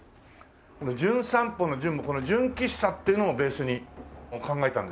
『じゅん散歩』の「じゅん」もこの純喫茶っていうのをベースに考えたんですから。